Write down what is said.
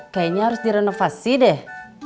kayanya harus direnovasi deh